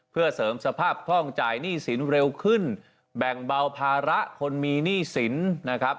เพื่อเสริมสภาพคล่องจ่ายหนี้สินเร็วขึ้นแบ่งเบาภาระคนมีหนี้สินนะครับ